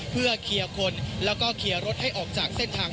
เพื่อเคลียร์คนแล้วก็เคลียร์รถให้ออกจากเส้นทาง